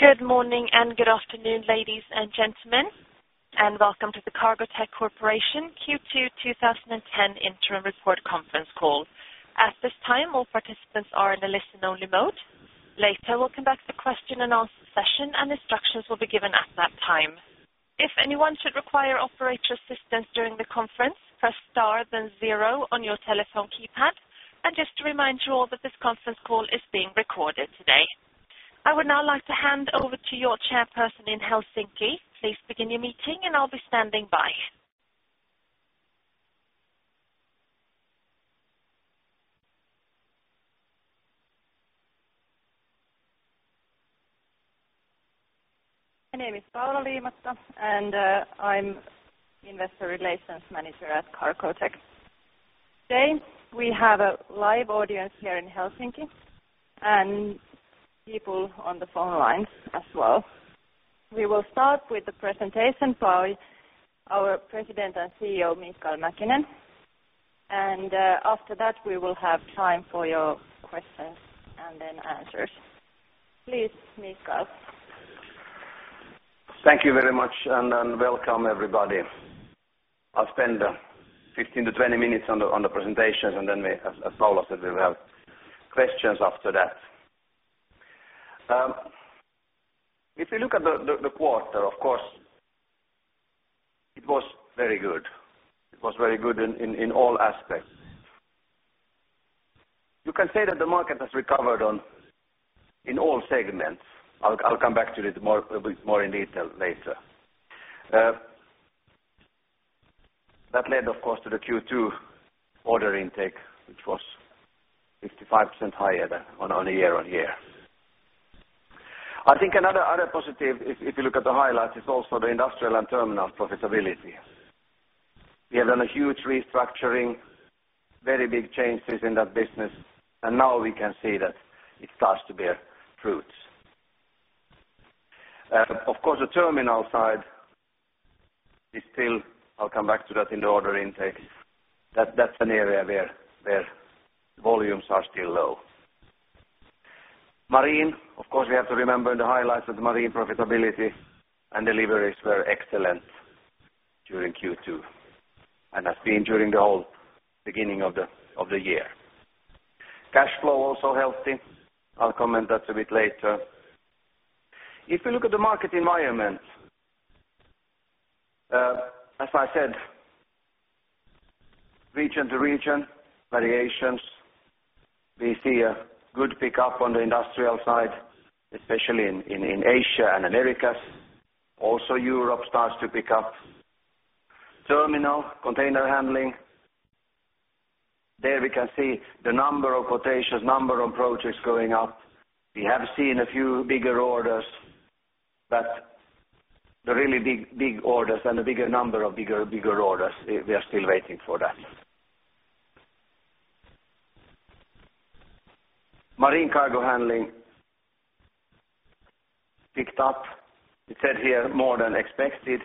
Good morning and good afternoon, ladies and gentlemen, and welcome to the Cargotec Corporation Q2 2010 interim report conference call. At this time, all participants are in a listen-only mode. Later, we'll come back to question and answer session, and instructions will be given at that time. If anyone should require operator assistance during the conference, press star then zero on your telephone keypad. Just to remind you all that this conference call is being recorded today. I would now like to hand over to your chairperson in Helsinki. Please begin your meeting, and I'll be standing by. My name is Paula Liimatta, and I'm investor relations manager at Cargotec. Today, we have a live audience here in Helsinki and people on the phone lines as well. We will start with the presentation by our President and CEO, Mikael Mäkinen. After that, we will have time for your questions and then answers. Please, Mikael. Thank you very much and welcome everybody. I'll spend 15 to 20 minutes on the presentation, and then we, as Paula said, we will have questions after that. If you look at the quarter, of course, it was very good. It was very good in all aspects. You can say that the market has recovered in all segments. I'll come back to it more, a bit more in detail later. That led, of course, to the Q2 order intake, which was 55% higher than on a year-on-year. I think another positive if you look at the highlights is also the industrial and terminal profitability. We have done a huge restructuring, very big changes in that business, and now we can see that it starts to bear fruits. Of course, the terminal side is still. I'll come back to that in the order intake. That's an area where volumes are still low. Marine, of course, we have to remember in the highlights that the marine profitability and deliveries were excellent during Q2 and has been during the whole beginning of the, of the year. Cash flow also healthy. I'll comment that a bit later. If we look at the market environment, as I said, region to region variations, we see a good pickup on the industrial side, especially in Asia and Americas. Also, Europe starts to pick up. Terminal container handling, there we can see the number of quotations, number of projects going up. We have seen a few bigger orders, but the really big orders and the bigger number of bigger orders, we are still waiting for that. Marine cargo handling picked up. It said here more than expected.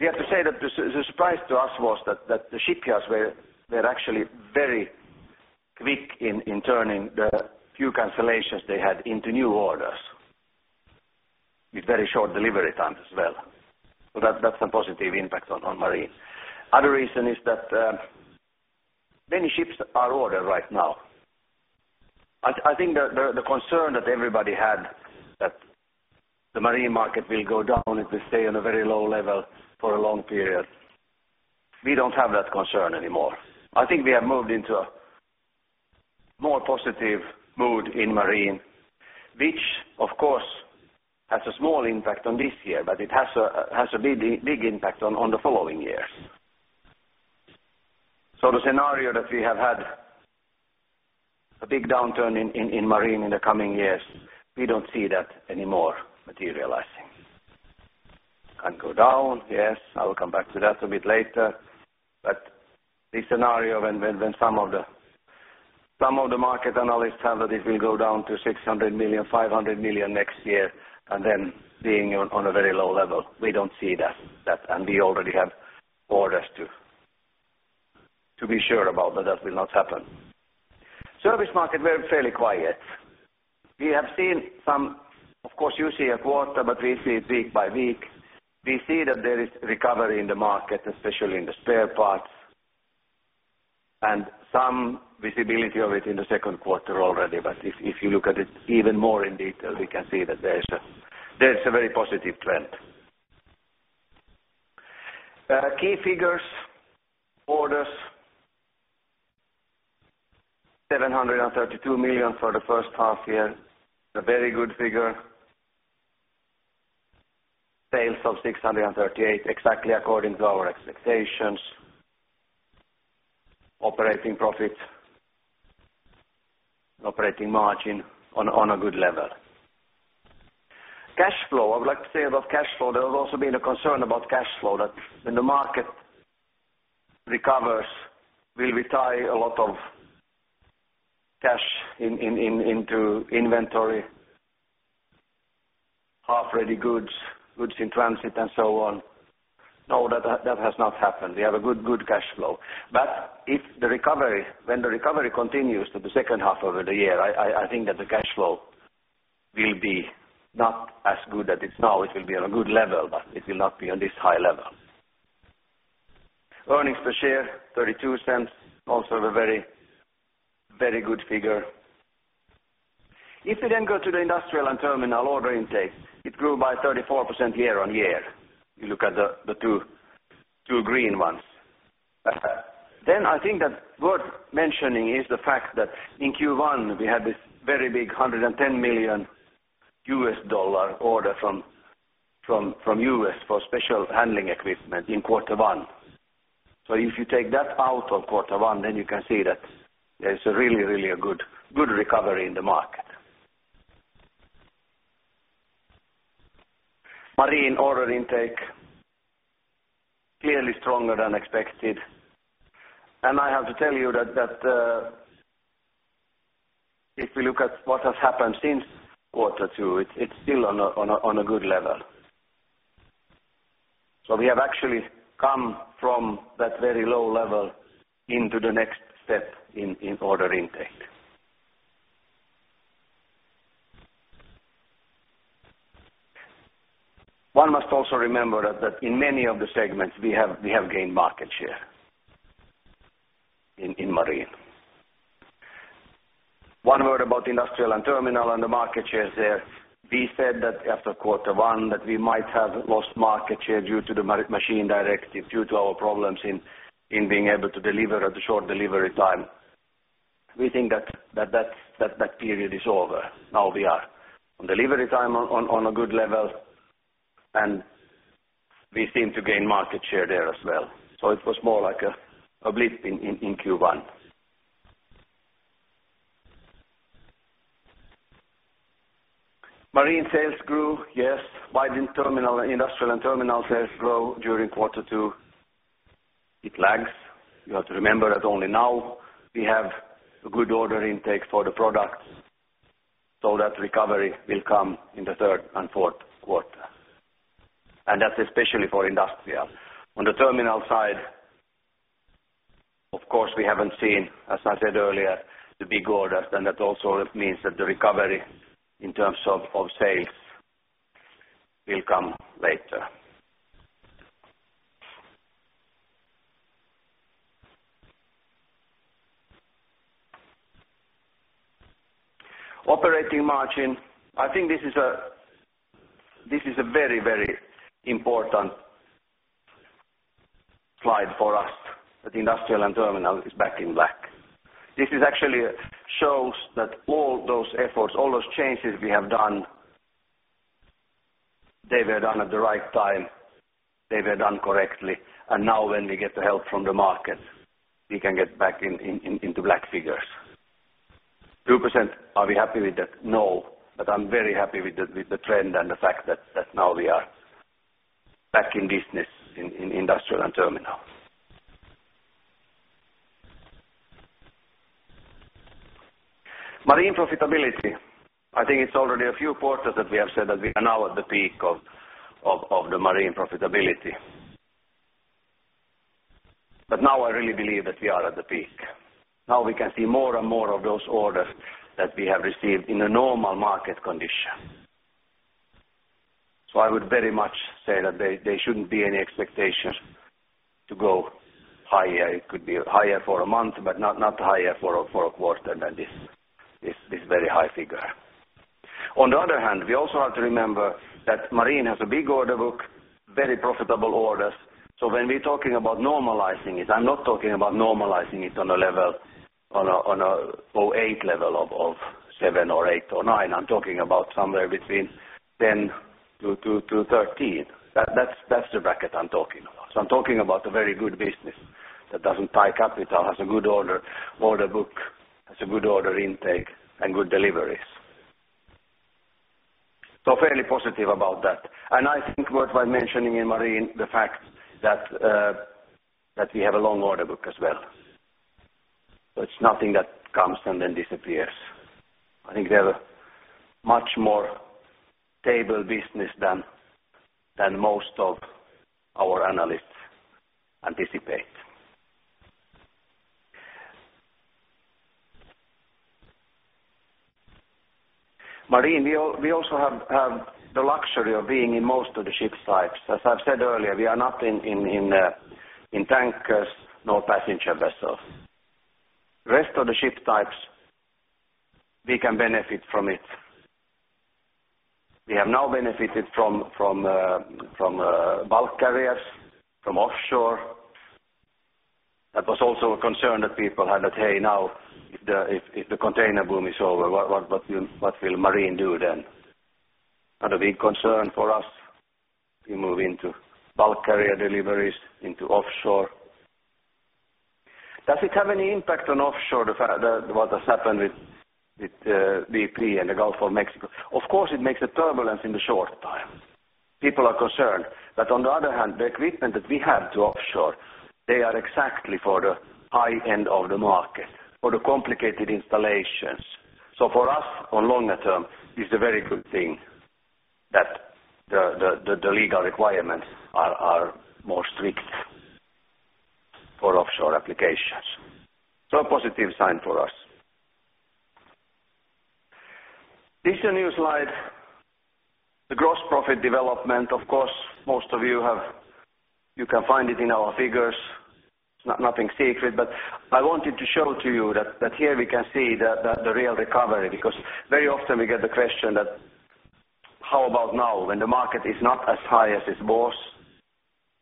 We have to say that the surprise to us was that the shipyards were actually very quick in turning the few cancellations they had into new orders with very short delivery times as well. That's a positive impact on marine. Other reason is that many ships are order right now. I think the concern that everybody had that the marine market will go down, it will stay on a very low level for a long period. We don't have that concern anymore. I think we have moved into a more positive mood in marine, which of course has a small impact on this year, but it has a big impact on the following years. The scenario that we have had a big downturn in marine in the coming years, we don't see that anymore materializing. Can go down, yes, I'll come back to that a bit later. The scenario when some of the market analysts have that it will go down to 600 million, 500 million next year and then being on a very low level, we don't see that, and we already have orders to be sure about that will not happen. Service market were fairly quiet. We have seen some. Of course, you see a quarter, but we see it week by week. We see that there is recovery in the market, especially in the spare parts, and some visibility of it in the Q2 already. If, if you look at it even more in detail, we can see that there's a very positive trend. Key figures, orders, 732 million for the first half year, a very good figure. Sales of 638 million, exactly according to our expectations. Operating profit, operating margin on a good level. Cash flow, I would like to say about cash flow, there has also been a concern about cash flow, that when the market recovers, we'll tie a lot of cash into inventory. Half ready goods in transit and so on. No, that has not happened. We have a good cash flow. If the recovery-- when the recovery continues to the second half of the year, I think that the cash flow will be not as good as it's now. It will be on a good level, but it will not be on this high level. Earnings per share, 0.32, also a very, very good figure. If you go to the industrial and terminal order intake, it grew by 34% year-over-year. You look at the two green ones. I think that worth mentioning is the fact that in Q1, we had this very big $110 million order from US for special handling equipment in Q1. If you take that out of quarter one, then you can see that there's a really, really a good recovery in the market. Marine order intake, clearly stronger than expected. I have to tell you that, if we look at what has happened since quarter two, it's still on a good level. We have actually come from that very low level into the next step in order intake. One must also remember that in many of the segments, we have gained market share in marine. One word about industrial and terminal and the market shares there. We said that after quarter one, that we might have lost market share due to the Machinery Directive, due to our problems in being able to deliver at a short delivery time. We think that period is over. Now we are on delivery time on a good level, and we seem to gain market share there as well. It was more like a blip in Q1. Marine sales grew, yes. Why didn't terminal, industrial and terminal sales grow during quarter two? It lags. You have to remember that only now we have a good order intake for the products, that recovery will come in the third and Q4. That's especially for industrial. On the terminal side, of course, we haven't seen, as I said earlier, the big orders, that also means that the recovery in terms of sales will come later. Operating margin. I think this is a very important slide for us, that the industrial and terminal is back in black. This is actually shows that all those efforts, all those changes we have done, they were done at the right time, they were done correctly. Now when we get the help from the market, we can get back into black figures. 2%, are we happy with that? No. I'm very happy with the trend and the fact that now we are back in business in industrial and terminal. Marine profitability, I think it's already a few quarters that we have said that we are now at the peak of the marine profitability. Now I really believe that we are at the peak. Now we can see more and more of those orders that we have received in a normal market condition. I would very much say that there shouldn't be any expectation to go higher. It could be higher for a month, but not higher for a quarter than this very high figure. We also have to remember that marine has a big order book, very profitable orders. When we're talking about normalizing it, I'm not talking about normalizing it on a eight level of seven or eight or nine. I'm talking about somewhere between 10 to 13. That's the bracket I'm talking about. I'm talking about a very good business that doesn't tie capital, has a good order book, has a good order intake and good deliveries. Fairly positive about that. I think worth by mentioning in marine, the fact that we have a long order book as well. It's nothing that comes and then disappears. I think we have a much more stable business than most of our analysts anticipate. Marine, we also have the luxury of being in most of the ship types. As I've said earlier, we are not in tankers nor passenger vessels. Rest of the ship types, we can benefit from it. We have now benefited from bulk carriers, from offshore. That was also a concern that people had that, "Hey, now, if the container boom is over, what will marine do then?" Not a big concern for us. We move into bulk carrier deliveries, into offshore. Does it have any impact on offshore, the what has happened with BP and the Gulf of Mexico? Of course, it makes a turbulence in the short term. People are concerned that on the other hand, the equipment that we have to offshore, they are exactly for the high end of the market, for the complicated installations. For us on longer term is a very good thing that the legal requirements are more strict for offshore applications. A positive sign for us. This a new slide, the gross profit development, of course, most of you have. You can find it in our figures. It's not nothing secret, but I wanted to show to you that here we can see the real recovery, because very often we get the question that how about now when the market is not as high as it was,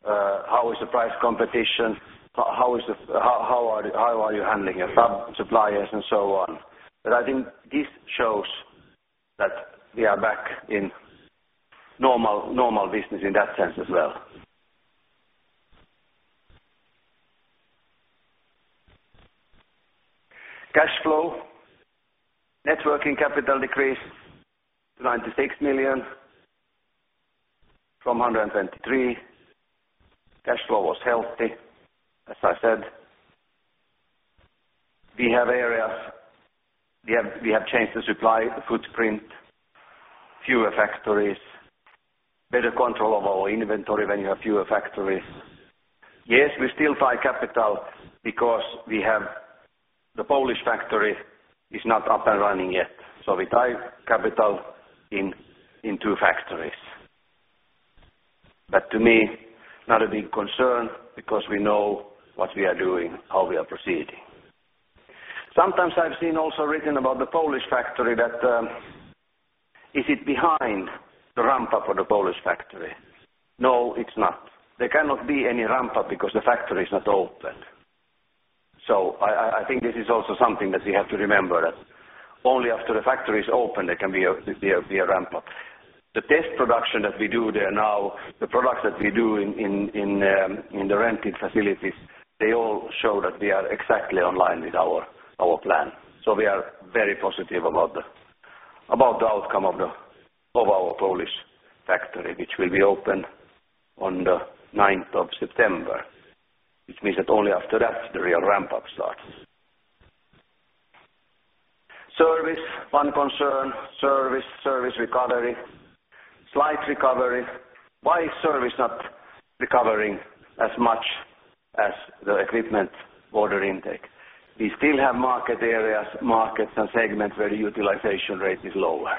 how is the price competition? How are you handling your sub suppliers and so on. But I think this shows that we are back in normal business in that sense as well. Cash flow. Net working capital decreased to 96 million from 123 million. Cash flow was healthy, as I said. We have changed the supply footprint, fewer factories, better control of our inventory when you have fewer factories. Yes, we still tie capital because we have the Polish factory is not up and running yet. So we tie capital in two factories. But to me, not a big concern because we know what we are doing, how we are proceeding. Sometimes I've seen also written about the Polish factory that is it behind the ramp up for the Polish factory? No, it's not. There cannot be any ramp up because the factory is not opened. I think this is also something that we have to remember, that only after the factory is open, there can be a ramp up. The test production that we do there now, the products that we do in the rented facilities, they all show that we are exactly online with our plan. We are very positive about the outcome of our Polish factory, which will be open on the 9th of September, which means that only after that the real ramp up starts. Service, one concern. Service recovery. Slight recovery. Why is service not recovering as much as the equipment order intake? We still have market areas, markets and segments where the utilization rate is lower.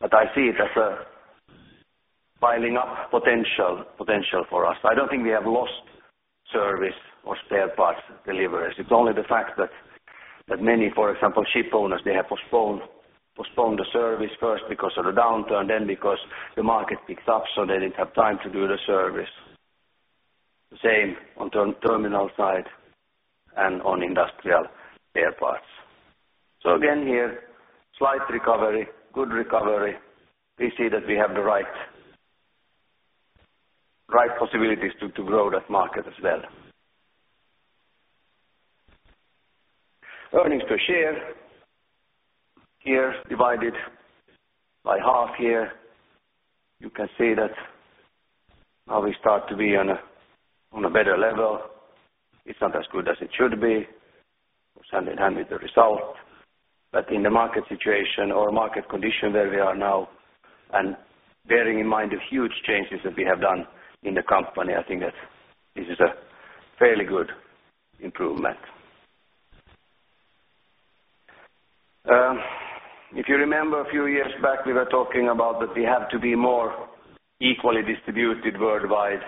I see it as a filing up potential for us. I don't think we have lost service or spare parts deliveries. It's only the fact that many, for example, ship owners, they have postponed the service first because of the downturn, then because the market picks up, so they didn't have time to do the service. The same on terminal side and on industrial spare parts. Again, here, slight recovery, good recovery. We see that we have the right possibilities to grow that market as well. Earnings per share, here divided by half here. You can see that now we start to be on a better level. It's not as good as it should be. Goes hand in hand with the result. In the market situation or market condition where we are now and bearing in mind the huge changes that we have done in the company, I think that this is a fairly good improvement. If you remember a few years back, we were talking about that we have to be more equally distributed worldwide.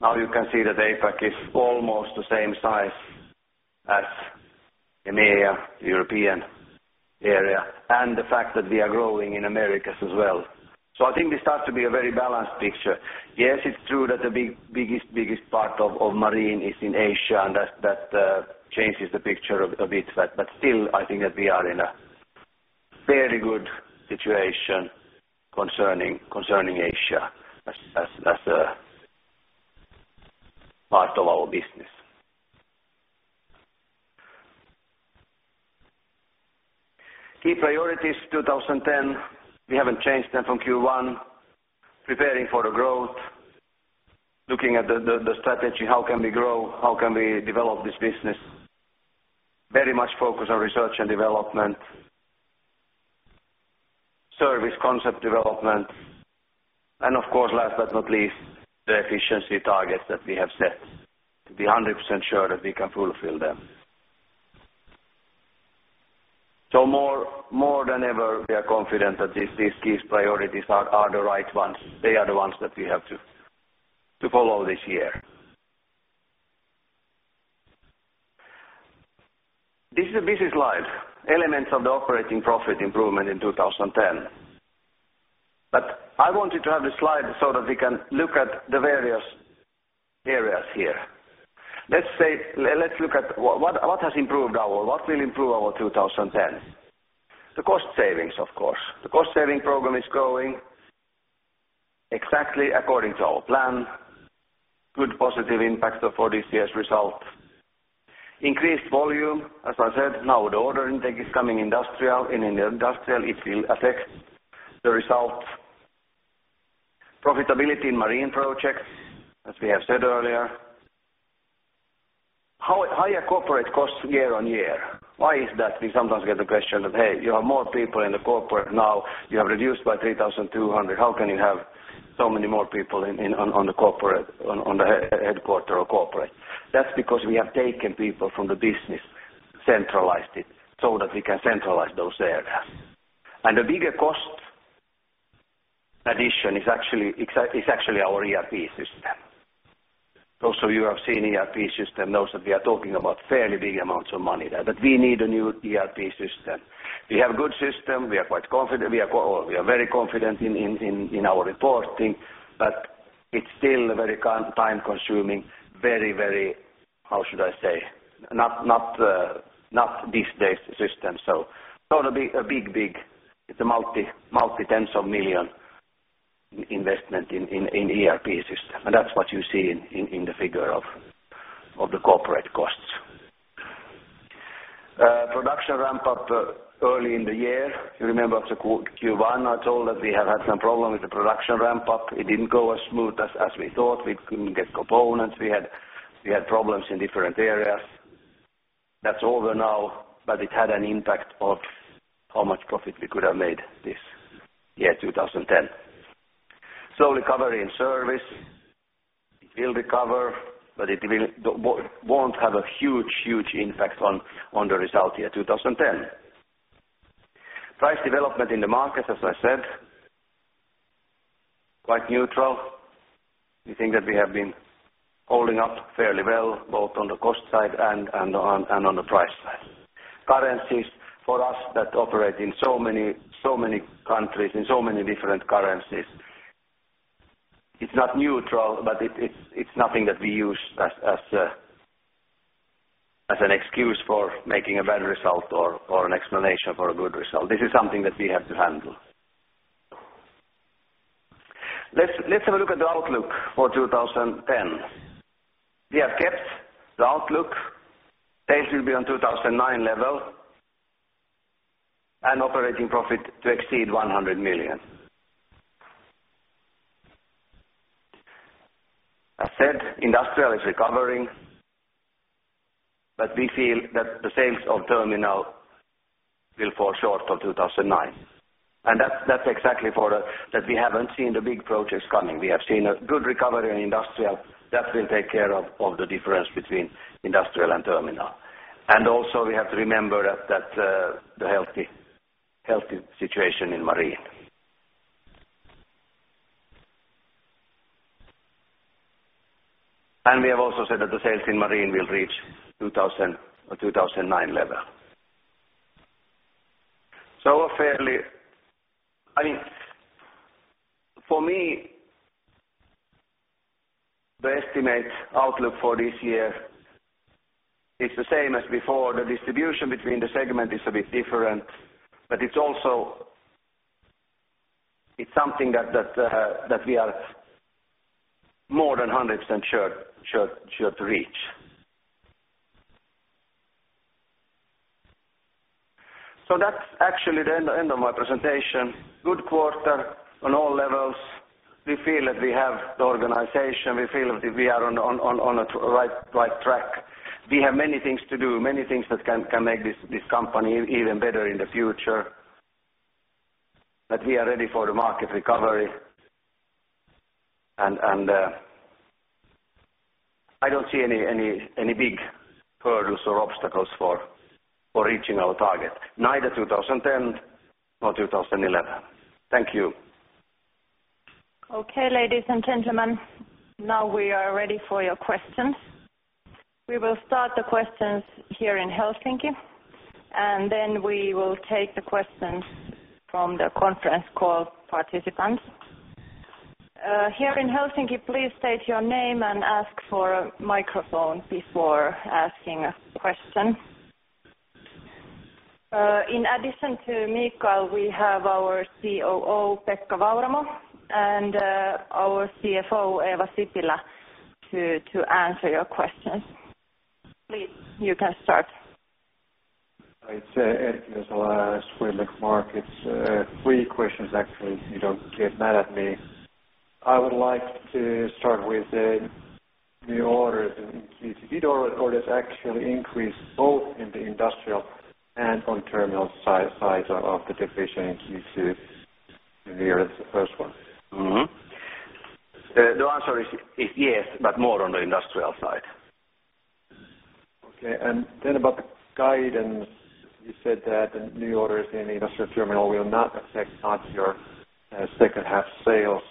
Now you can see that APAC is almost the same size as EMEA, European area, and the fact that we are growing in Americas as well. I think this starts to be a very balanced picture. Yes, it's true that the biggest part of marine is in Asia, and that changes the picture a bit. Still, I think that we are in a very good situation concerning Asia as a part of our business. Key priorities 2010. We haven't changed them from Q1. Preparing for the growth, looking at the strategy, how can we grow, how can we develop this business? Very much focus on research and development, service concept development, and of course, last but not least, the efficiency targets that we have set to be 100% sure that we can fulfill them. More than ever, we are confident that these key priorities are the right ones. They are the ones that we have to follow this year. This is a busy slide, elements of the operating profit improvement in 2010. I wanted to have the slide so that we can look at the various areas here. Let's look at what has improved our. What will improve our 2010. The cost savings, of course. The cost saving program is going exactly according to our plan. Good positive impact for this year's result. Increased volume. As I said, now the order intake is coming industrial, in the industrial it will affect the result. Profitability in marine projects, as we have said earlier. Higher corporate costs year-over-year. Why is that? We sometimes get the question of, "Hey, you have more people in the corporate now, you have reduced by 3,200. How can you have so many more people in on the corporate, on the headquarter or corporate?" That's because we have taken people from the business, centralized it, so that we can centralize those areas. The bigger cost addition is actually our ERP system. Those of you who have seen ERP system knows that we are talking about fairly big amounts of money there, but we need a new ERP system. We have a good system. We are quite confident, We are, oh, we are very confident in our reporting, but it's still very time-consuming, very very, How should I say? Not this based system. It's gonna be a big. It's a multi tens of million EUR investment in ERP system, and that's what you see in the figure of the corporate costs. Production ramp-up early in the year. You remember also Q1, I told that we have had some problem with the production ramp-up. It didn't go as smooth as we thought. We couldn't get components. We had problems in different areas. That's over now. It had an impact of how much profit we could have made this year, 2010. Slow recovery in service. It will recover, it won't have a huge impact on the result year 2010. Price development in the market, as I said, quite neutral. We think that we have been holding up fairly well, both on the cost side and on the price side. Currencies for us that operate in so many countries, in so many different currencies, it's not neutral, it's nothing that we use as an excuse for making a bad result or an explanation for a good result. This is something that we have to handle. Let's have a look at the outlook for 2010. We have kept the outlook. Sales will be on 2009 level and operating profit to exceed 100 million. As said, industrial is recovering. We feel that the sales of terminal will fall short of 2009. That's exactly we haven't seen the big projects coming. We have seen a good recovery in industrial that will take care of the difference between industrial and terminal. Also we have to remember that the healthy situation in marine. We have also said that the sales in marine will reach 2000 or 2009 level. I mean, for me, the estimate outlook for this year is the same as before. The distribution between the segment is a bit different. It's something that we are more than 100% sure to reach. That's actually the end of my presentation. Good quarter on all levels. We feel that we have the organization. We feel that we are on a right track. We have many things to do, many things that can make this company even better in the future. We are ready for the market recovery, and I don't see any big hurdles or obstacles for reaching our target, neither 2010 nor 2011. Thank you. Okay, ladies and gentlemen, now we are ready for your questions. We will start the questions here in Helsinki. Then we will take the questions from the conference call participants. Here in Helsinki, please state your name and ask for a microphone before asking a question. In addition to Mikael, we have our COO, Pekka Vauramo, and our CFO, Eeva Sipilä, to answer your questions. Please, you can start. It's Erik Dahlberg with Mark. It's three questions actually, if you don't get mad at me. I would like to start with the orders in Q2. You ordered actually increased both in the industrial and on terminal size of the division in Q2. Here is the first one. The answer is yes, but more on the industrial side. About the guidance, you said that the new orders in industrial terminal will not affect much your second half sales.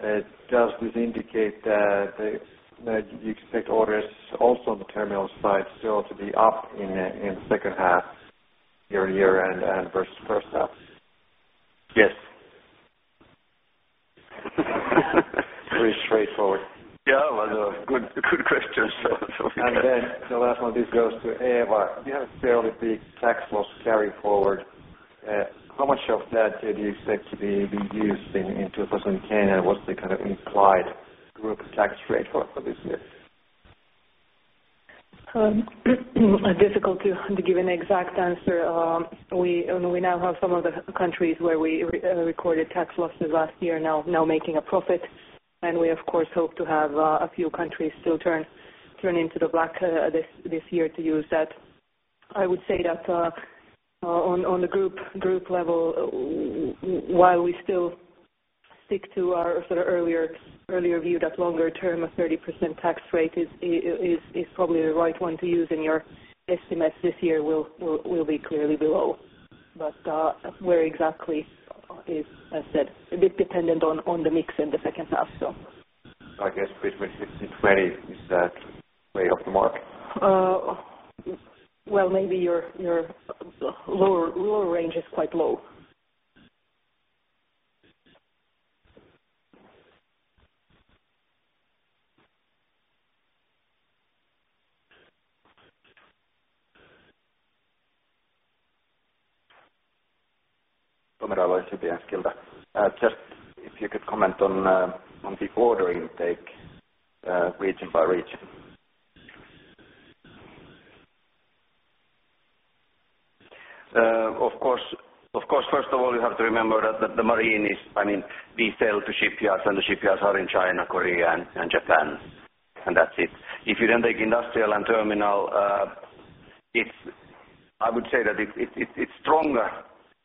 Does this indicate that you expect orders also on the terminal side still to be up in second half year end and versus first half? Yes. Very straightforward. Yeah, well, good question. The last one, this goes to Eeva Sipilä. You have a fairly big tax loss carry-forward. How much of that do you expect to be used in 2010? What's the kind of implied group tax rate for this year? Difficult to give an exact answer. We, and we now have some of the countries where we recorded tax losses last year now making a profit. We, of course, hope to have a few countries still turn into the black this year to use that. I would say that on the group level, while we still stick to our sort of earlier view that longer term a 30% tax rate is probably the right one to use in your estimates this year will be clearly below. Where exactly is, as I said, a bit dependent on the mix in the second half. I guess between 16 and 20, is that way off the mark? Well, maybe your lower range is quite low. Just if you could comment on the order intake, region by region? Of course. First of all, you have to remember that the marine is, I mean, we sell to shipyards. The shipyards are in China, Korea and Japan, and that's it. If you then take industrial and terminal, I would say that it's stronger,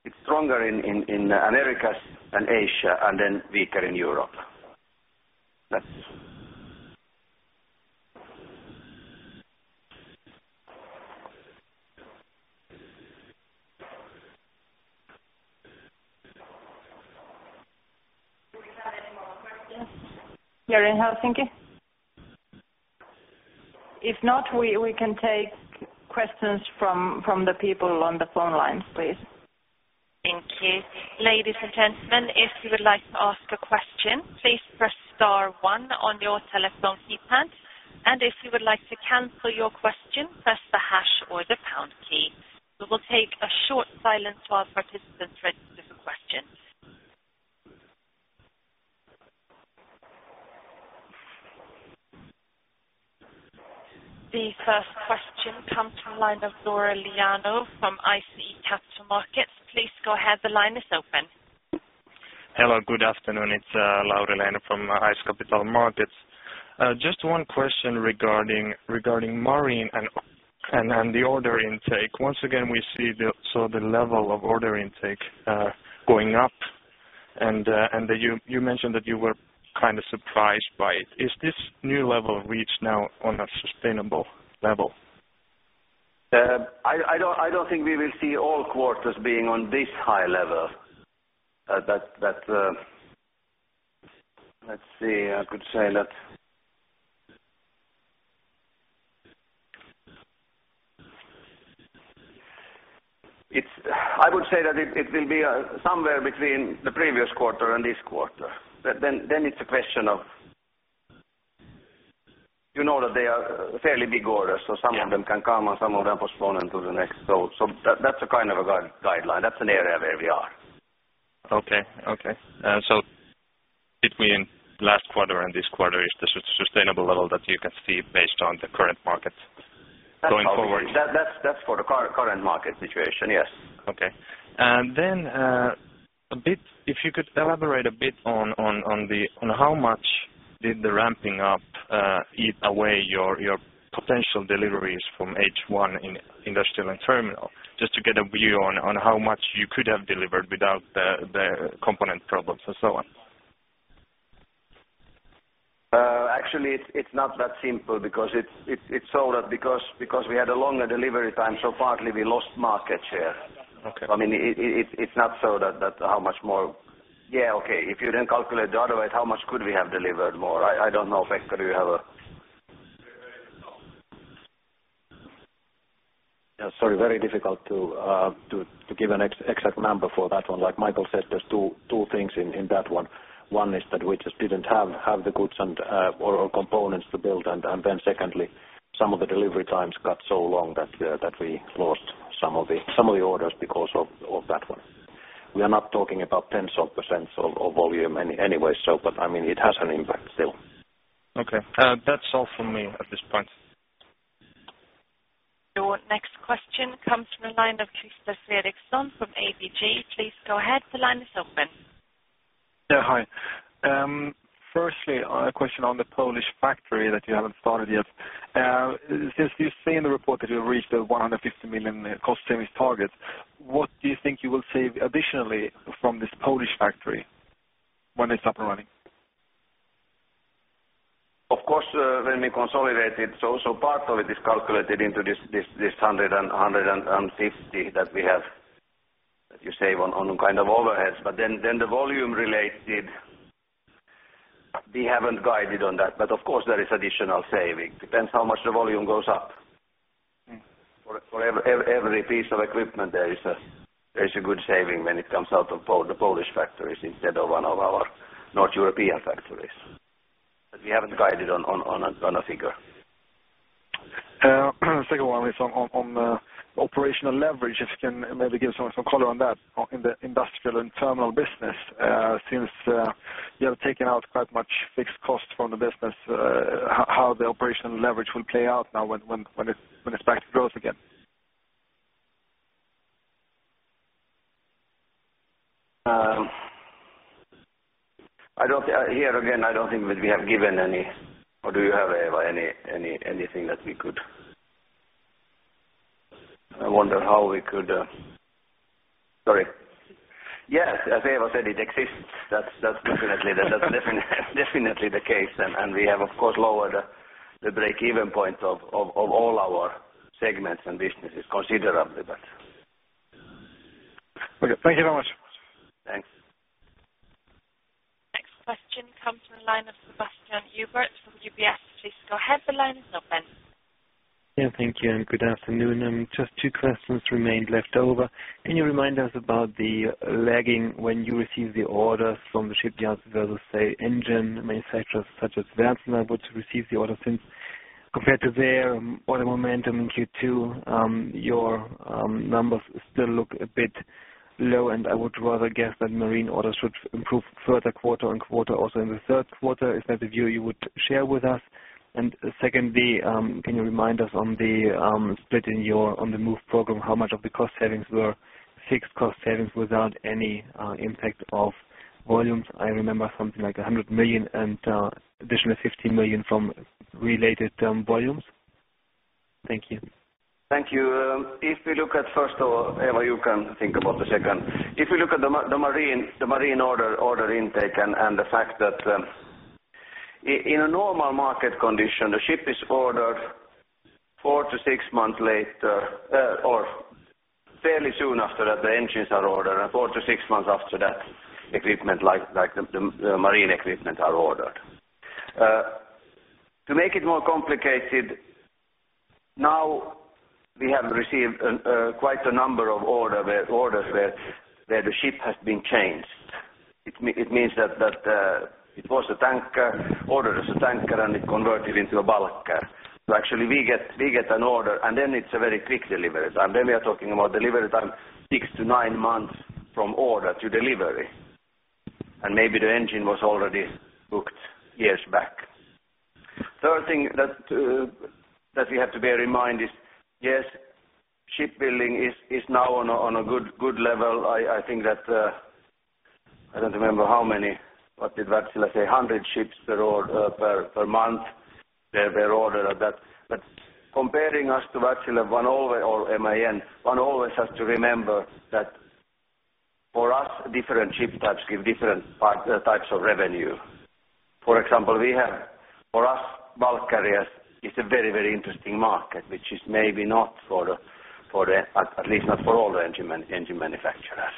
it's stronger in Americas and Asia and then weaker in Europe. That's it. Do we have any more questions here in Helsinki? If not, we can take questions from the people on the phone lines, please. Thank you. Ladies and gentlemen, if you would like to ask a question, please press star one on your telephone keypad, and if you would like to cancel your question, press the hash or the pound key. We will take a short silence while participants register for questions. The first question comes from line of Lauri Leino from ICE Capital Markets. Please go ahead. The line is open. Hello, good afternoon. It's Lauri Leino from ICE Capital Markets. Just one question regarding marine and the order intake. Once again, we see so the level of order intake, going up and you mentioned that you were kind of surprised by it. Is this new level reached now on a sustainable level? I don't think we will see all quarters being on this high level that. Let's see. I could say that I would say that it will be somewhere between the previous quarter and this quarter. It's a question of. You know that they are fairly big orders, so some of them can come and some of them postponed into the next. That's a kind of a guideline. That's an area where we are. Okay. Okay. Between last quarter and this quarter is the sustainable level that you can see based on the current market going forward. That's how we see. That's for the current market situation, yes. If you could elaborate a bit on the how much did the ramping up eat away your potential deliveries from H1 in industrial and terminal, just to get a view on how much you could have delivered without the component problems and so on? Actually it's not that simple because it's so that because we had a longer delivery time, so partly we lost market share. Okay. I mean, it's not so that how much more. Yeah, okay. If you calculate the other way, how much could we have delivered more? I don't know. Pekka, do you have a? Yeah, sorry. Very difficult to give an exact number for that one. Like Mikael said, there's two things in that one. One is that we just didn't have the goods and or components to build. Secondly, some of the delivery times got so long that we lost some of the orders because of that one. We are not talking about tens of percents or volume anyway, I mean, it has an impact still. Okay. That's all from me at this point. Your next question comes from the line of [inaudible] from ABG. Please go ahead. The line is open. Hi. Firstly, a question on the Polish factory that you haven't started yet. Since you say in the report that you reached the 150 million cost savings target, what do you think you will save additionally from this Polish factory when it's up and running? Of course, when we consolidate it, so part of it is calculated into this 150 that we have, that you save on kind of overheads. The volume related, we haven't guided on that. There is additional saving. Depends how much the volume goes up. For every piece of equipment there is a good saving when it comes out of the Polish factories instead of one of our North European factories. We haven't guided on a figure. Second one is on, on, on the operational leverage, if you can maybe give some, some color on that, on, in the industrial and terminal business, since, you have taken out quite much fixed costs from the business, how, how the operational leverage will play out now when, when, when it's, when it's back to growth again? Here again, I don't think that we have given any or do you have, Eeva, anything that we could. I wonder how we could. Sorry. Yes, as Eeva said, it exists. That's definitely the case. We have, of course, lowered the break-even point of all our segments and businesses considerably. Okay. Thank you very much. Thanks. Next question comes from the line of Sebastian Hellmann from UBS. Please go ahead, the line is open. Yeah, thank you. Good afternoon. Just two questions remained left over. Can you remind us about the lagging when you receive the orders from the shipyards versus, say, engine manufacturers such as Wärtsilä, which receives the order since compared to their order momentum in Q2, your numbers still look a bit low, and I would rather guess that marine orders should improve further quarter and quarter also in the Q3. Is that the view you would share with us? Secondly, can you remind us on the split in your On the Move program, how much of the cost savings were fixed cost savings without any impact of volumes? I remember something like 100 million and additional 50 million from related volumes. Thank you. Thank you. If we look at first or Eeva Sipilä you can think about the second. If you look at the marine order intake and the fact that, in a normal market condition, the ship is ordered four months to six months later, or fairly soon after that the engines are ordered, and four months to six months after that, equipment like the marine equipment are ordered. To make it more complicated, now we have received, quite a number of orders where the ship has been changed. It means that it was a tanker, ordered as a tanker, and it converted into a bulker. Actually we get an order, and then it's a very quick delivery time. We are talking about delivery time six months to nine months from order to delivery. Maybe the engine was already booked years back. Third thing that we have to bear in mind is, yes, shipbuilding is now on a good level. I think that I don't remember how many. What did Wärtsilä say? 100 ships per month they're ordered at that. Comparing us to Wärtsilä or MAN, one always has to remember that for us different ship types give different part types of revenue. For example, we have, for us bulk carriers is a very interesting market, which is maybe not for the, at least not for all the engine manufacturers.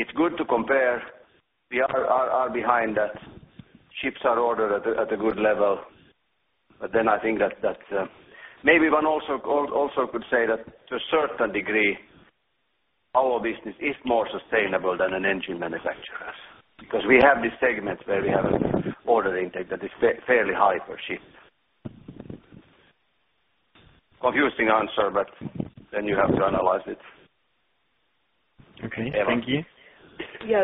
It's good to compare. We are behind that. Ships are ordered at a good level. I think that, maybe one also could say that to a certain degree, our business is more sustainable than an engine manufacturer's. We have these segments where we have an order intake that is fairly high per ship. Confusing answer, you have to analyze it. Okay. Eewa. Thank you.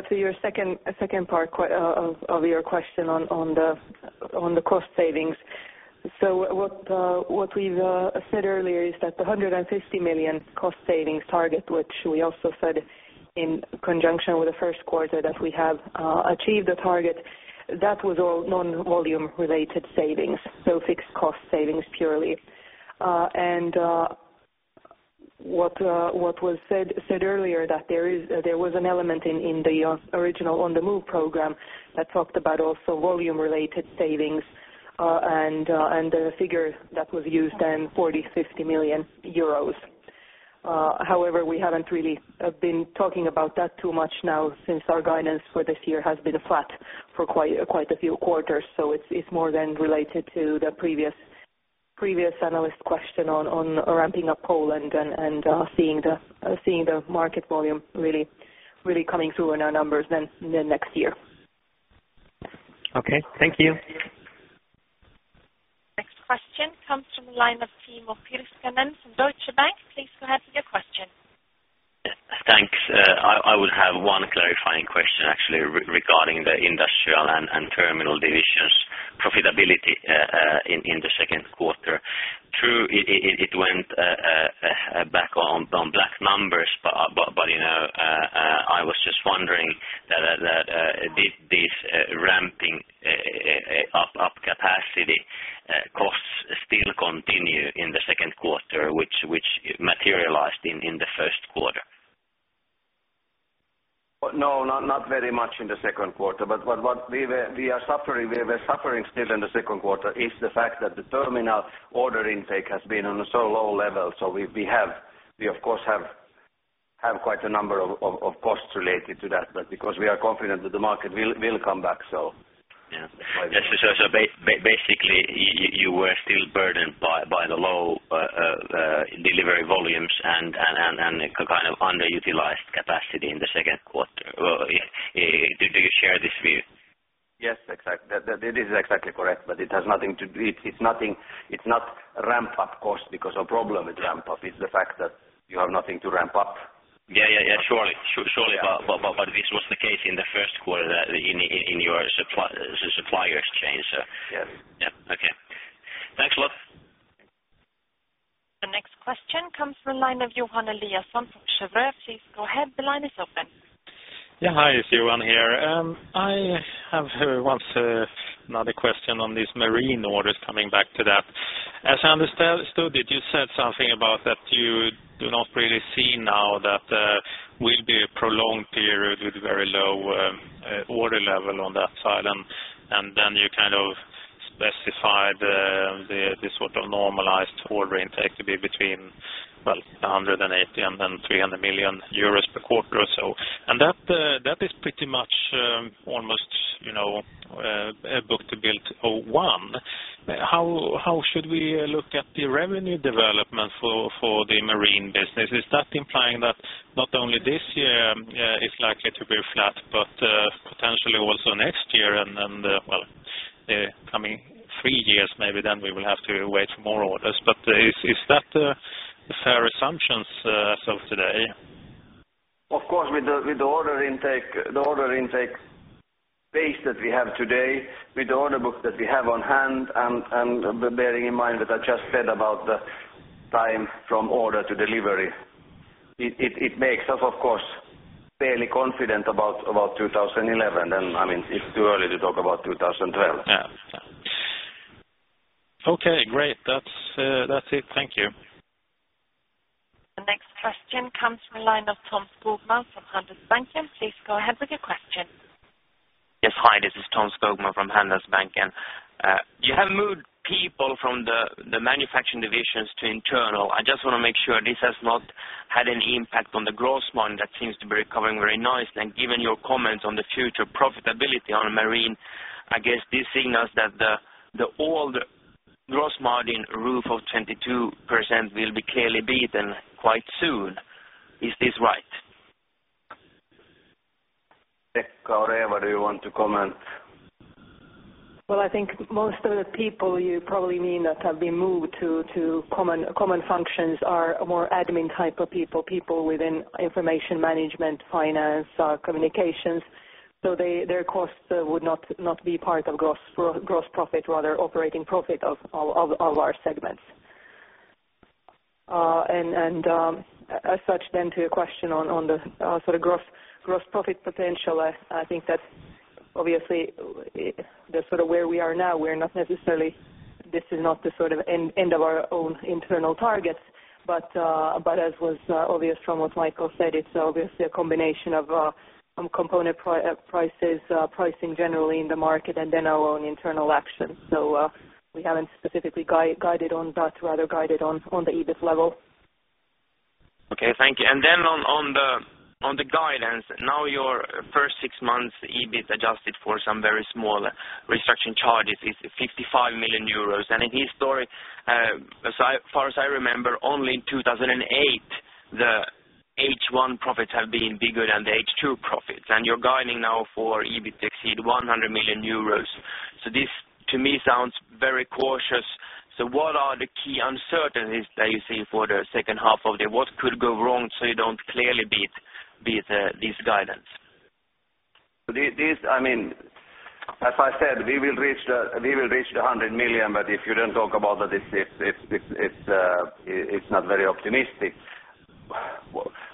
To your second part of your question on the cost savings. What we've said earlier is that the 150 million cost savings target, which we also said in conjunction with the Q1, that we have achieved the target. That was all non-volume related savings, so fixed cost savings purely. What was said earlier that there was an element in the original On the Move program that talked about also volume related savings, and the figure that was used then 40 million-50 million euros. However, we haven't really been talking about that too much now since our guidance for this year has been flat for quite a few quarters. It's more then related to the previous analyst question on ramping up Poland and seeing the market volume really coming through in our numbers then next year. Okay. Thank you. Next question comes from the line of Timo Pirskanen from Deutsche Bank. Please go ahead with your question. Yeah. Thanks. I would have one clarifying question actually regarding the industrial and terminal division's profitability in the Q2. True, it went back on black numbers, but, you know, I was just wondering that did this ramping up capacity costs still continue in the Q2, which materialized in the Q1? Not very much in the Q2. What we are suffering still in the Q2 is the fact that the terminal order intake has been on a so low level. We have, we of course, have quite a number of costs related to that. Because we are confident that the market will come back, so. Basically you were still burdened by the low delivery volumes and the kind of underutilized capacity in the Q2. Do you share this view? Yes, that is exactly correct. It has nothing to do. It's nothing, it's not ramp-up cost because our problem with ramp-up is the fact that you have nothing to ramp up. Yeah, yeah, surely. This was the case in the Q1 that in your supplier exchange, so. Yes. Okay. Thanks a lot. The next question comes from the line of Johan Eliason from Cheuvreux. Please go ahead. The line is open. Yeah. Hi, it's Johan here. I have once another question on these marine orders coming back to that. As I understood it, you said something about that you do not really see now that will be a prolonged period with very low order level on that side. Then you kind of specified the sort of normalized order intake to be between, well, 180 million and 300 million euros per quarter or so. That is pretty much, almost, you know, a book-to-build 0.1. How should we look at the revenue development for the marine business? Is that implying that not only this year, is likely to be flat, but, potentially also next year and then, well, the coming three years, maybe then we will have to wait for more orders? Is that fair assumptions as of today? Of course, with the order intake, the order intake base that we have today, with the order book that we have on hand and bearing in mind what I just said about the time from order to delivery, it makes us, of course, fairly confident about 2011. I mean, it's too early to talk about 2012. Yeah. Okay, great. That's, that's it. Thank you. The next question comes from the line of Tom Skogman from Handelsbanken. Please go ahead with your question. Yes. Hi, this is Tom Skogman from Handelsbanken. You have moved people from the manufacturing divisions to internal. I just wanna make sure this has not had any impact on the gross margin that seems to be recovering very nice. Given your comments on the future profitability on marine, I guess this signals that the old gross margin roof of 22% will be clearly beaten quite soon. Is this right? Pekka or Eeva, do you want to comment? I think most of the people you probably mean that have been moved to common functions are more admin type of people within information management, finance, communications. Their costs would not be part of gross profit, rather operating profit of our segments. As such then to your question on the sort of gross profit potential, I think that obviously the sort of where we are now, we're not necessarily. This is not the sort of end of our own internal targets. As was obvious from what Mikael said, it's obviously a combination of some component prices, pricing generally in the market and then our own internal actions. We haven't specifically guided on that, rather guided on the EBIT level. Okay. Thank you. On, on the, on the guidance, now your first six months EBIT adjusted for some very small restriction charges is 55 million euros. In history, as far as I remember, only in 2008, the H1 profits have been bigger than the H2 profits. You're guiding now for EBIT to exceed 100 million euros. This to me sounds very cautious. What are the key uncertainties that you see for the second half of the year? What could go wrong so you don't clearly beat this guidance? This I mean, as I said, we will reach the 100 million, but if you don't talk about that, it's not very optimistic.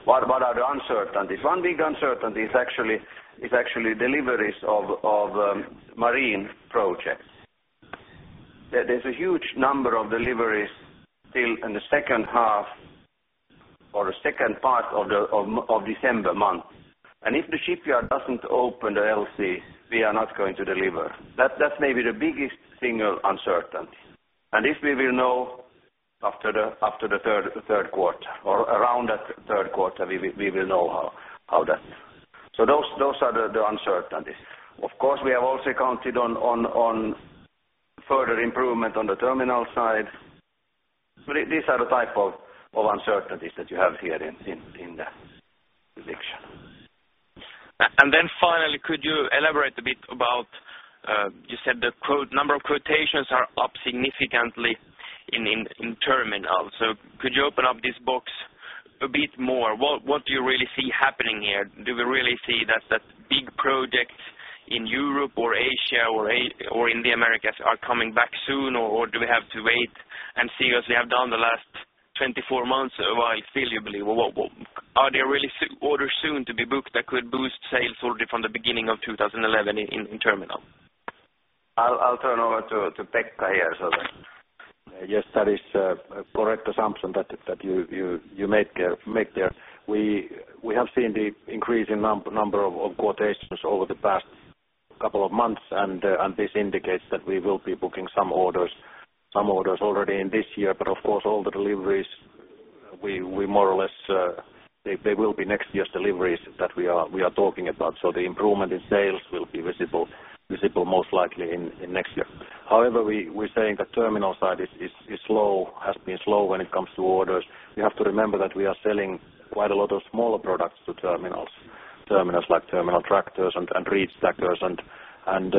What are the uncertainties? One big uncertainty is actually deliveries of marine projects. There's a huge number of deliveries still in the second half or the second part of December month. If the shipyard doesn't open the LC, we are not going to deliver. That's maybe the biggest single uncertainty. This we will know after the Q3 or around that Q3 we will know how that. Those are the uncertainties. Of course, we have also counted on further improvement on the terminal side. These are the type of uncertainties that you have here in the prediction. Then finally, could you elaborate a bit about, you said the quote, number of quotations are up significantly in terminal. Could you open up this box a bit more? What do you really see happening here? Do we really see that big projects in Europe or Asia or in the Americas are coming back soon, or do we have to wait and see as we have done the last 24 months while still you believe? Are there really orders soon to be booked that could boost sales already from the beginning of 2011 in terminal? I'll turn over to Pekka here. Yes, that is a correct assumption that you make there. We have seen the increase in number of quotations over the past couple of months, and this indicates that we will be booking some orders already in this year. Of course, all the deliveries, we more or less, they will be next year's deliveries that we are talking about. The improvement in sales will be visible most likely in next year. However, we're saying the terminal side is slow, has been slow when it comes to orders. You have to remember that we are selling quite a lot of smaller products to terminals like Terminal Tractors and Reachstackers and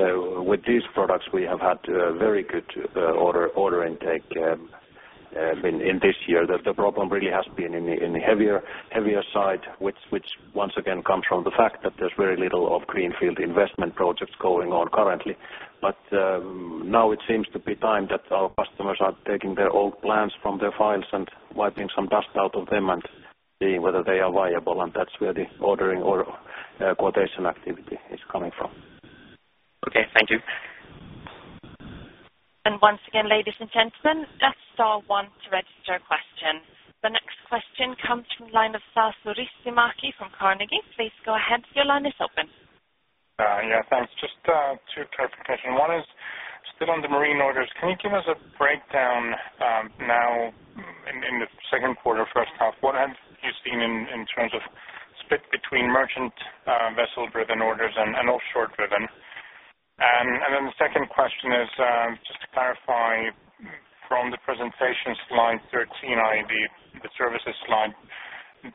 with these products, we have had very good order intake in this year. The problem really has been in the heavier side, which once again comes from the fact that there's very little of greenfield investment projects going on currently. Now it seems to be time that our customers are taking their old plans from their files and wiping some dust out of them and seeing whether they are viable, and that's where the ordering or quotation activity is coming from. Okay. Thank you. Once again, ladies and gentlemen, that's star one to register a question. The next question comes from the line of Sasu Ristimäki from Carnegie. Please go ahead. Your line is open. Yeah, thanks. Just two clarification. One is still on the marine orders. Can you give us a breakdown now in the Q2, first half? What have you seen in terms of split between merchant vessel-driven orders and offshore-driven? The second question is just to clarify from the presentations slide 13, i.e., the services slide,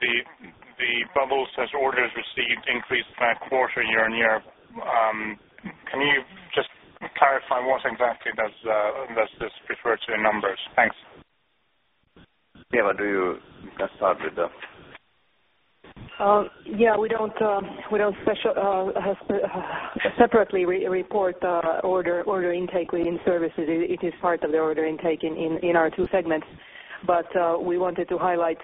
the bubble says orders received increased by a quarter year-on-year. Can you just clarify what exactly does this refer to in numbers? Thanks. Eeva, do you wanna start with that? Yeah, we don't separately re-report order intake within services. It is part of the order intake in our two segments. But we wanted to highlight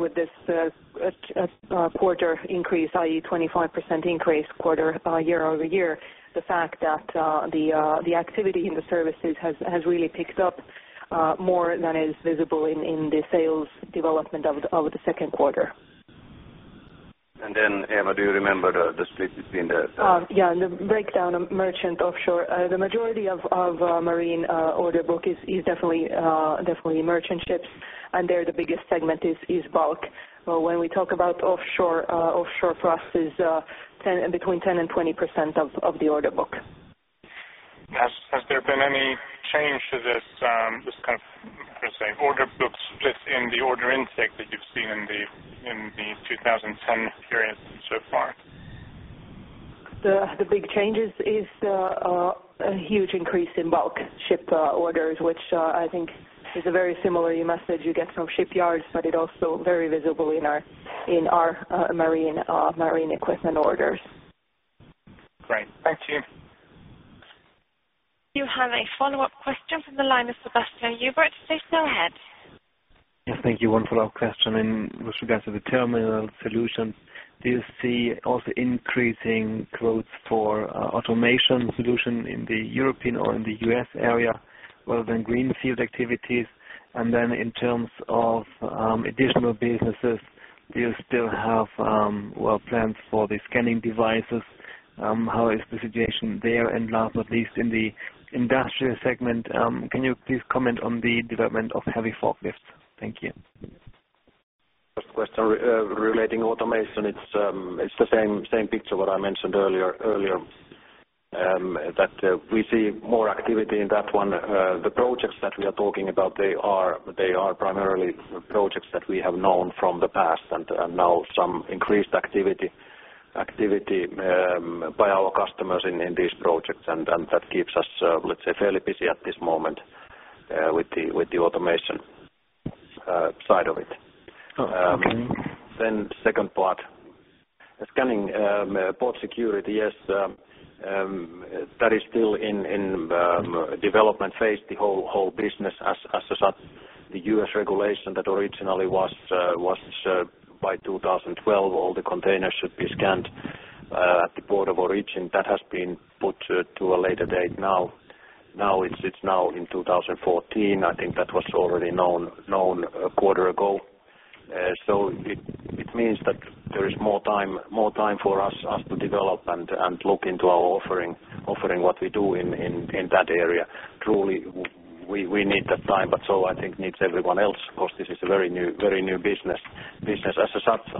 with this a quarter increase, i.e., 25% increase quarter year-over-year, the fact that the activity in the services has really picked up more than is visible in the sales development of the Q2. Eeva, do you remember the split between the... The breakdown of merchant offshore. The majority of marine order book is definitely merchant ships, there, the biggest segment is bulk. When we talk about offshore for us is between 10% and 20% of the order book. Has there been any change to this kind of, how do you say, order book split in the order intake that you've seen in the 2010 period so far? The big changes is the a huge increase in bulk ship orders, which I think is a very similar message you get from shipyards, but it also very visible in our marine equipment orders. Great. Thank you. You have a follow-up question from the line of Sebastian Hellmann. Please go ahead. Yes. Thank you. One follow-up question in with regards to the terminal solutions. Do you see also increasing quotes for automation solution in the European or in the US area rather than greenfield activities? In terms of additional businesses, do you still have, well, plans for the scanning devices? How is the situation there? Last but least, in the industrial segment, can you please comment on the development of heavy forklifts? Thank you. First question relating automation, it's the same picture what I mentioned earlier, that we see more activity in that one. The projects that we are talking about, they are primarily projects that we have known from the past and now some increased activity by our customers in these projects. That keeps us, let's say, fairly busy at this moment with the automation side of it. Oh, okay. Second part, scanning, port security, yes, that is still in development phase, the whole business as such. The US regulation that originally was by 2012, all the containers should be scanned at the port of origin. That has been put to a later date now. Now it's now in 2014. I think that was already known a quarter ago. It means that there is more time for us to develop and look into our offering what we do in that area. Truly, we need that time, but so I think needs everyone else 'cause this is a very new business.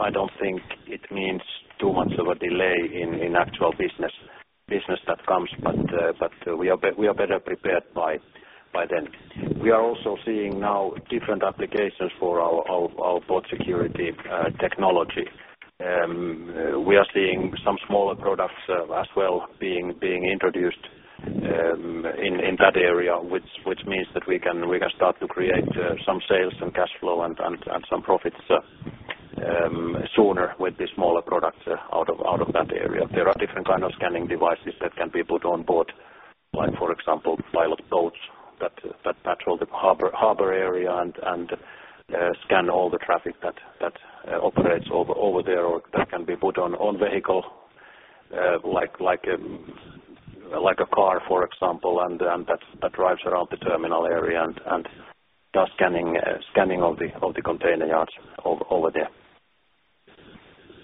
I don't think it means too much of a delay in actual business that comes. We are better prepared by then. We are also seeing now different applications for our port security technology. We are seeing some smaller products as well being introduced in that area, which means that we can start to create some sales and cash flow and some profits sooner with the smaller products out of that area. There are different kind of scanning devices that can be put on board, like for example, pilot boats that patrol the harbor area and scan all the traffic that operates over there or that can be put on vehicle like a car, for example, and that drives around the terminal area and does scanning of the container yards over there.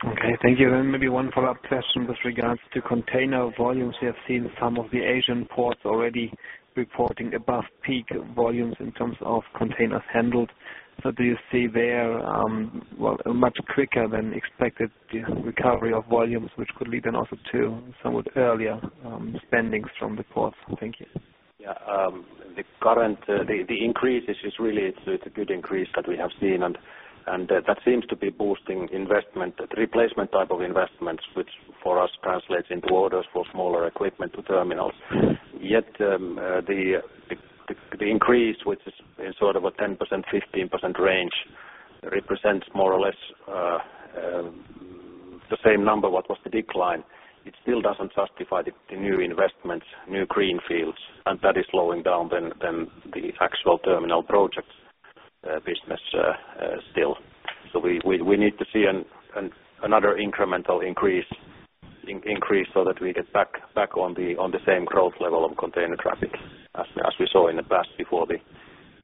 Okay. Thank you. Maybe one follow-up question with regards to container volumes. We have seen some of the Asian ports already reporting above peak volumes in terms of containers handled. Do you see there, well, a much quicker than expected the recovery of volumes which could lead then also to somewhat earlier spendings from the ports? Thank you. The current increase is really it's a good increase that we have seen and that seems to be boosting investment. Replacement type of investments, which for us translates into orders for smaller equipment to terminals. The increase which is in sort of a 10% to 15% range represents more or less the same number what was the decline. It still doesn't justify the new investments, new green fields, and that is slowing down than the actual terminal projects business still. We need to see another incremental increase so that we get back on the same growth level of container traffic as we saw in the past before the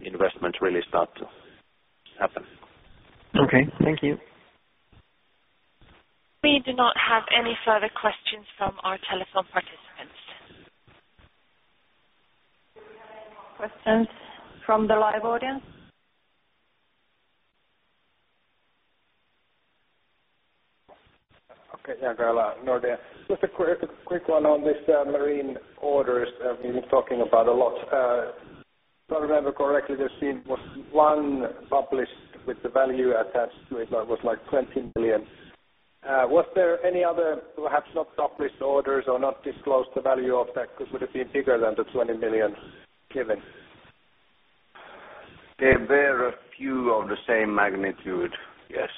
investments really start to happen. Okay, thank you. We do not have any further questions from our telephone participants. Do we have any more questions from the live audience? Okay. Yeah. Just a quick one on this marine orders that we've been talking about a lot. If I remember correctly, the scene was one published with the value attached to it, but it was like 20 million. Was there any other perhaps not published orders or not disclosed the value of that could, would have been bigger than the 20 million given? There were a few of the same magnitude, yes.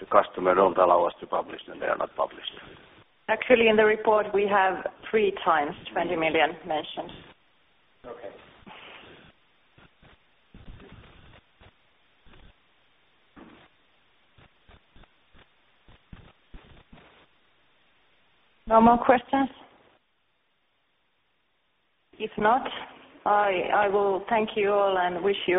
If the customer don't allow us to publish, then they are not published. Actually, in the report, we have 3x 20 million mentioned. Okay. No more questions? If not, I will thank you all and wish you all a good day.